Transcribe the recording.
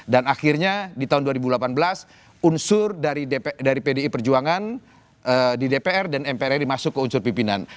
dan akhirnya di tahun dua ribu delapan belas unsur dari pdi perjuangan di dpr dan mpr ri masuk ke unsur pimpinan